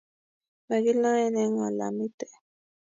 Magiloen eng olamite